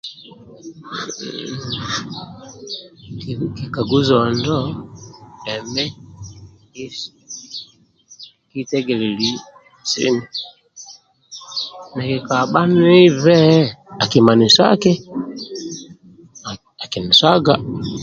Kikaguo injo emi kietegelezi nikikabha nibe akimanyisaki akinisaga